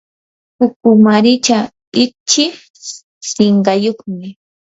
ukumaricha ichik sinqayuqmi.